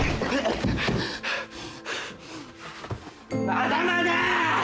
まだまだあ！